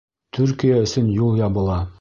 Төркиә өсөн юл ябыла